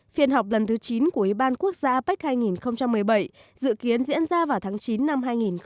phiên họp lần thứ chín của ủy ban quốc gia apec hai nghìn một mươi bảy dự kiến diễn ra vào tháng chín năm hai nghìn một mươi chín